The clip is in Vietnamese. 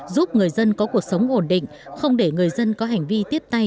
giúp người dân có cuộc sống ổn định không để người dân có hành vi tiếp tay